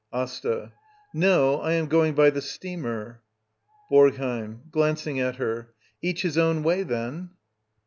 AsTA. No. I am going by the steamer. BoRGHEiM. [Glancing at her.] Each his own way, then.